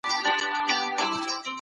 صدقه ورکول انسان له بلاو ساتي.